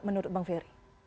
menurut bang ferry